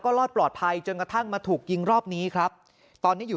รอดปลอดภัยจนกระทั่งมาถูกยิงรอบนี้ครับตอนนี้อยู่